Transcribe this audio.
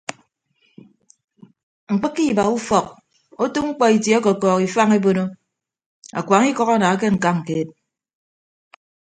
Mkpịkke iba ufọk otu mkpọ itie ọkọkọọk ifañ ebono akuañ ikʌk ana ke ñkañ keed.